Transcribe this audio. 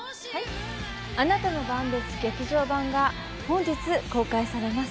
『あなたの番です劇場版』が本日公開されます。